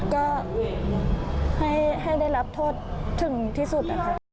ก็ให้ได้รับโทษถึงที่สุดนะคะ